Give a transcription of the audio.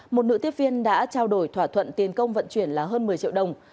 một nữ tiếp viên đã trao đổi thỏa thuận tiền công vận chuyển là hơn một mươi triệu đồng